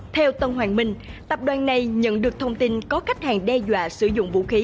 theo tân hoàng minh tập đoàn này nhận được thông tin có khách hàng đe dọa sử dụng vũ khí